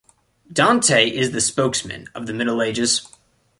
Dante is the spokesman of the Middle Ages.